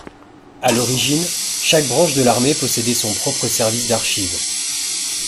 À l'origine, chaque branche de l'armée possédait son propre service d'archives.